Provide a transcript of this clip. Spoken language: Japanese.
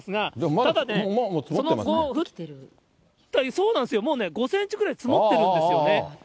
ただね、その後、降ったり、もうね、５センチぐらい積もっているんですよね。